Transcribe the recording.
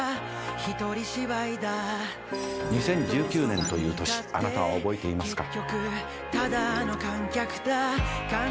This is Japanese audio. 「２０１９年という年あなたは覚えていますか？」